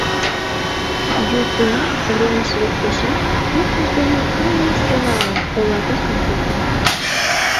Южгунам уремыш лектешат, ушыж дене уло селалан ола тӱсым пурта.